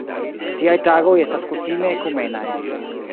Tiaj tagoj estas kutime ekumenaj.